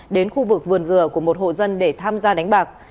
đến khu vực vườn dừa của một hộ dân để tham gia đánh bạc